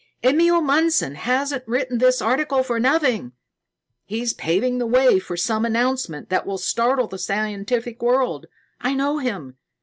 "Emil Mundson hasn't written this article for nothing. He's paving the way for some announcement that will startle the scientific world. I know him.